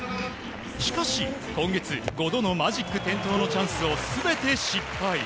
しかし、今月５度のマジック点灯のチャンスを全て失敗。